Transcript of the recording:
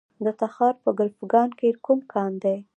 د تخار په کلفګان کې کوم کان دی؟